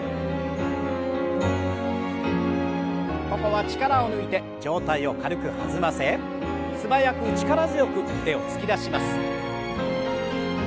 ここは力を抜いて上体を軽く弾ませ素早く力強く腕を突き出します。